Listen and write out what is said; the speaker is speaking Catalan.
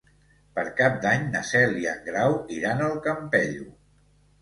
Per Cap d'Any na Cel i en Grau iran al Campello.